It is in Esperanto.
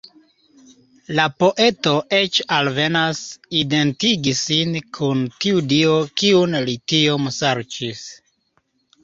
La poeto eĉ alvenas identigi sin kun tiu dio, kiun li tiom serĉis.